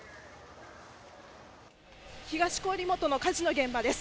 東郡元の火事の現場です。